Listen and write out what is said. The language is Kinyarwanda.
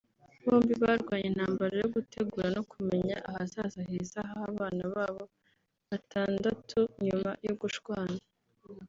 Bombi barwanye intambara yo gutegura no kumenya ahazaza heza h’abana babo batandatu nyuma yo gushwana